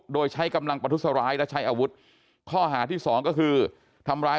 โดยใช้กำลังประทุษร้ายและใช้อาวุธข้อหาที่สองก็คือทำร้าย